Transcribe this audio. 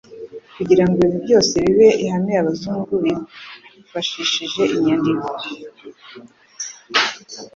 Kugira ngo ibi byose bibe ihame abazungu bifashishije inyandiko nk'ihame